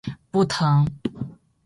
不疼